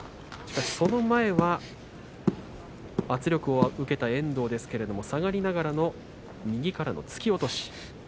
その前は圧力を受けた遠藤ですが下がりながらの右からの突き落とし。